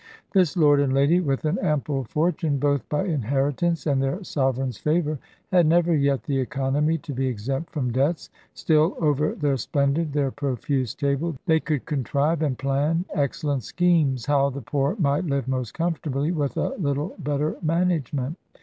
This lord and lady, with an ample fortune, both by inheritance and their sovereign's favour, had never yet the economy to be exempt from debts; still, over their splendid, their profuse table, they could contrive and plan excellent schemes "how the poor might live most comfortably with a little better management."